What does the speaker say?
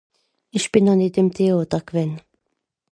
Ìch bìn noh nìt ìm Téater gwänn.